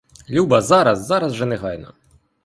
Люба, зараз, зараз же негайно.